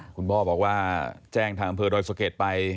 คุณพ่อบอกว่าแจ้งทางเหมือนโดยสุเขตไป